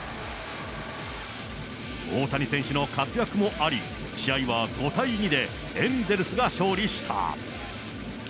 大谷選手の活躍もあり、試合は５対２でエンゼルスが勝利した。